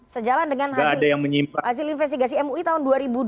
sejalan dengan hasil investigasi mui tahun dua ribu dua puluh